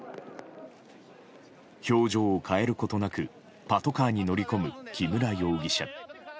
表情を変えることなくパトカーに乗り込む木村容疑者。